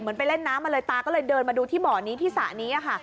ไปเล่นน้ำมาเลยตาก็เลยเดินมาดูที่บ่อนี้ที่สระนี้ค่ะ